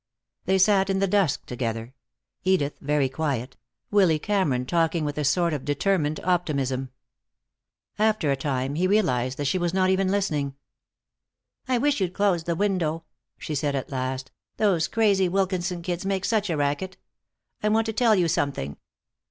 They sat in the dusk together, Edith very quiet, Willy Cameron talking with a sort of determined optimism. After a time he realized that she was not even listening. "I wish you'd close the window," she said at last. "Those crazy Wilkinson kids make such a racket. I want to tell you something."